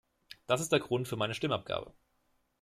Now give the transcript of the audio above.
Das ist der Grund für meine Stimmabgabe.